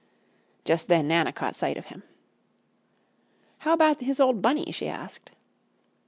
Just then Nana caught sight of him. "How about his old Bunny?" she asked.